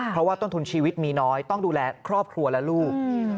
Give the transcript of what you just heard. เพราะว่าต้นทุนชีวิตมีน้อยต้องดูแลครอบครัวและลูก